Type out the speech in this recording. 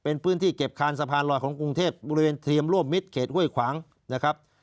เป็นพื้นที่เก็บคานสะพานลอยของกรุงเทพบริเวณเทียมร่วมมิตรเขตห้วยขวางนะครับ